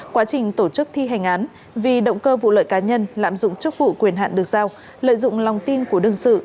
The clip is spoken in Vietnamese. quá trình tổ chức thi hành án vì động cơ vụ lợi cá nhân lạm dụng chức vụ quyền hạn được giao lợi dụng lòng tin của đương sự